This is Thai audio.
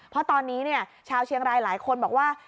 เพราะตอนนี้ชาวเชียงรายหลายคนบอกว่า